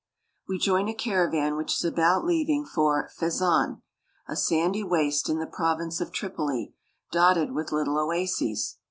We join a caravan which is about leaving for Fezzan (fez zan'), a sandy waste in the prov ince of Tripoli, dotted with little oases.